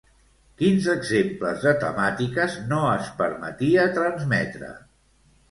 Quins exemples de temàtiques no es permetia transmetre?